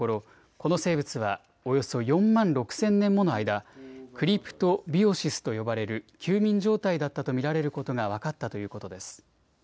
この生物はおよそ４万６０００年もの間、クリプトビオシスと呼ばれる休眠状態だったと見られることが分かったということです。